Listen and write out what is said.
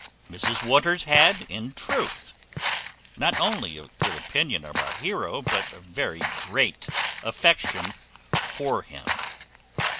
Mrs Waters had, in truth, not only a good opinion of our heroe, but a very great affection for him.